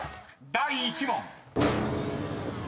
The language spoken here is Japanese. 第１問］